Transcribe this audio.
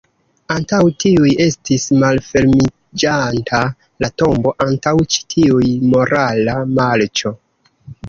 Antaŭ tiuj estis malfermiĝanta la tombo, antaŭ ĉi tiuj -- morala marĉo.